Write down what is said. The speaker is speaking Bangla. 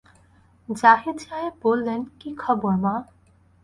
জাহিদ সাহেব বললেন, কি খবর মা?